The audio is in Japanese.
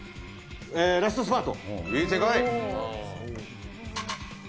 ラストスパート。